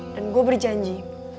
dan gue berjanji